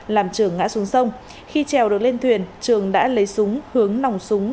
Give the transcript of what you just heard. làm trường ngã xuống sông khi trèo được lên thuyền trường đã lấy súng hướng nòng súng